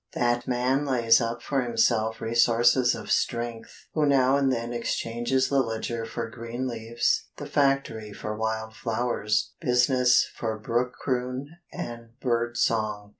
That man lays up for himself resources of strength who now and then exchanges the ledger for green leaves, the factory for wild flowers, business for brook croon and bird song.